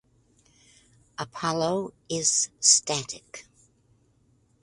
Apollo is static.